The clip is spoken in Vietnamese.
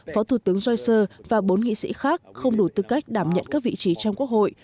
phó thủ tướng johers và bốn nghị sĩ khác không đủ tư cách đảm nhận các vị trí trong quốc hội